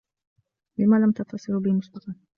لم لم تتّصلوا بي مسبّقا؟